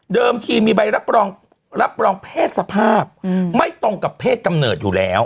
ทีมีใบรับรองรับรองเพศสภาพไม่ตรงกับเพศกำเนิดอยู่แล้ว